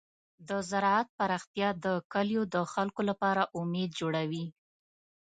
د زراعت پراختیا د کلیو د خلکو لپاره امید جوړوي.